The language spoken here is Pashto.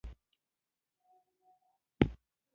سفر ستړی کوي؟